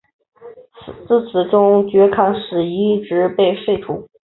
自此中圻钦使一职被废除。